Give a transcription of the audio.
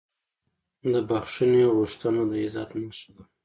د بښنې غوښتنه د عزت نښه ده.